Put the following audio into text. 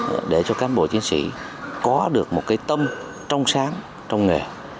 chúng tôi hướng đến để cho cán bộ chiến sĩ có được một cái tâm trong sáng trong nghề